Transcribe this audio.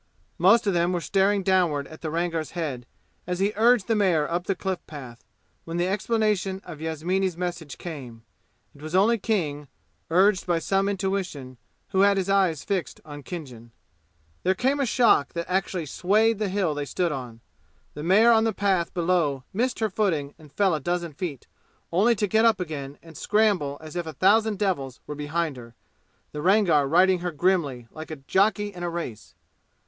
Most of them were staring downward at the Rangar's head as he urged the mare up the cliff path, when the explanation of Yasmini's message came. It was only King, urged by some intuition, who had his eyes fixed on Khinjan. There came a shock that actually swayed the hill they stood on. The mare on the path below missed her footing and fell a dozen feet, only to get up again and scramble as if a thousand devils were behind her, the Rangar riding her grimly, like a jockey in a race.